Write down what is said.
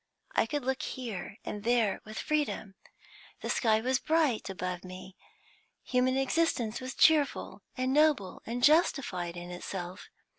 I could look here and there with freedom; the sky was bright above me; human existence was cheerful and noble and justified in itself.